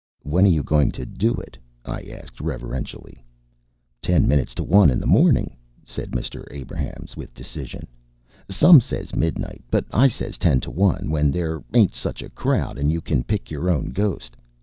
"When are you going to do it?" I asked reverentially. "Ten minutes to one in the morning," said Mr. Abrahams, with decision. "Some says midnight, but I says ten to one, when there ain't such a crowd, and you can pick your own ghost.